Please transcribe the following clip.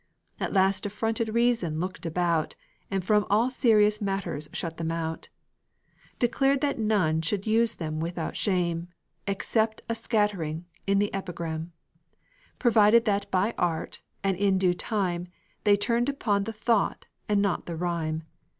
At last affronted reason looked about, And from all serious matters shut them out; Declared that none should use them without shame, Except a scattering, in the epigram Provided that by art, and in due time, They turned upon the thought, and not the rime.